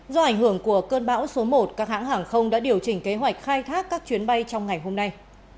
do ảnh hưởng của cơn bão số một các hãng hàng không đã điều chỉnh kế hoạch khai thác các chuyến bay trong ngày hôm nay